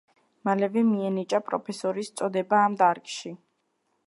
მალევე მიენიჭა პროფესორის წოდება ამ დარგში.